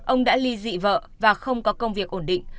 ông đã ly dị vợ và không có công việc ổn định